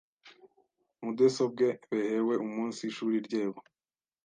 mudesobwe behewe umunsi ishuri, ryebo